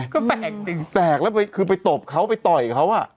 ก็แปลกจริงแปลกแล้วคือไปตบเขาไปต่อยเขาอ่ะ